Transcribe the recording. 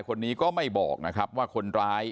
คนนี้ก็ไม่บอกว่าคนร้าย